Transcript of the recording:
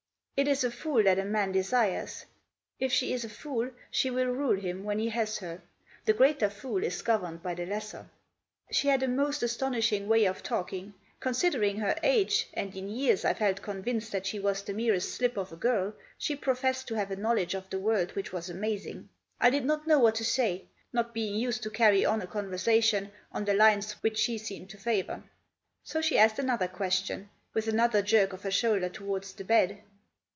It is a fool that a man desires ; if she is a fool she will rule him when he has her. The greater fool is governed by the lesser." She had a most astonishing way of talking. Considering her age, and, in years, I felt convinced that she was the merest slip of a girl, she professed to have a knowledge of the world which was amazing. I did not know what to say ; not being used to carry on a conversation on the lines which she seemed to favour. So she asked another question, with another jerk of her shoulder towards the bed.